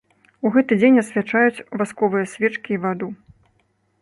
У гэты дзень асвячаюць васковыя свечкі і ваду.